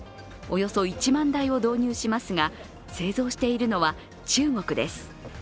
およそ１万台を導入しますが、製造しているのは中国です。